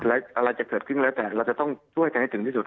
อะไรจะเกิดขึ้นแล้วแต่เราจะต้องช่วยกันให้ถึงที่สุด